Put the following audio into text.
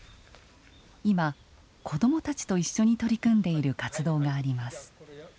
今子どもたちと一緒に取り組んでいる活動があります。